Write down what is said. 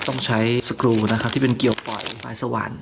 ต้องใช้สครูลนะครับที่เป็นเกี่ยวกล่อยสะวัน